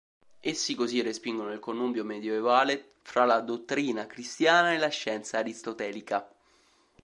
Essi così respingono il connubio medioevale fra la dottrina cristiana e la scienza aristotelica.